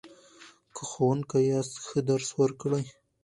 که ښوونکی یاست ښه درس ورکړئ.